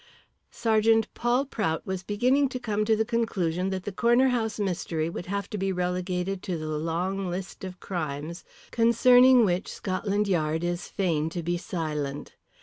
Sergeant Paul Prout was beginning to come to the conclusion that the Corner House mystery would have to be relegated to the long list of crimes concerning which Scotland Yard is fain to be silent.